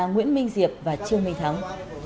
nguyễn minh diệp và trương minh thắng